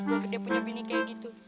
gue gede punya bini kayak gitu